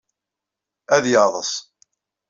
Ad yeɛeḍḍes.